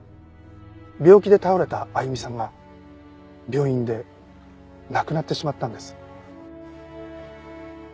病気で倒れた亜由美さんが病院で亡くなってしまったんです。